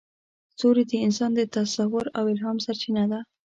ستوري د انسان د تصور او الهام سرچینه ده.